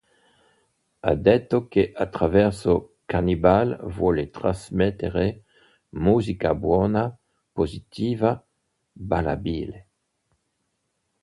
Ha detto che attraverso "Cannibal" vuole trasmettere "musica buona, positiva, ballabile".